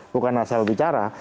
bukan asal bicara